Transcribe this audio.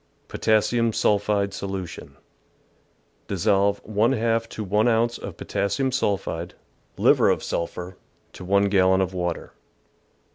Potassium sulphide Solution. — Dissolve % to 1 ounce of potassium sulphide (liver of sulphur) to 1 gallon of water.